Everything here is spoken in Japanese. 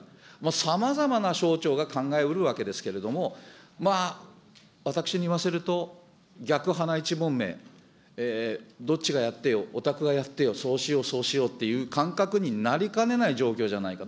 さまざまな省庁が考えうるわけですけれども、私に言わせると、逆はないちもんめ、どっちがやってよ、おたくがやってよ、そうしよう、そうしようっていう感覚になりかねない状況じゃないか。